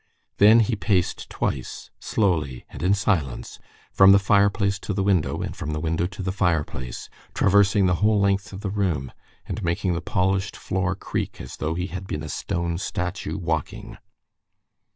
Then he paced twice, slowly and in silence, from the fireplace to the window and from the window to the fireplace, traversing the whole length of the room, and making the polished floor creak as though he had been a stone statue walking.